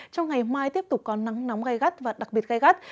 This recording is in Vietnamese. trong ngày mai tiếp tục có nắng nóng gai gắt và đặc biệt gai gắt